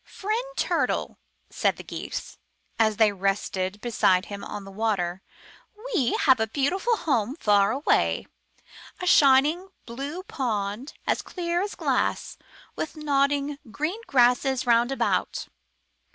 *Triend Turtle,*' said the Geese, as they rested 222 IN THE NURSERY beside him on the water, *'we have a beautiful home far away, — a shining, blue pool as clear as glass, with nodding green grasses round about.